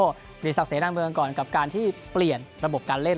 สิริสักเสนาเมืองก่อนกับการที่เปลี่ยนระบบการเล่น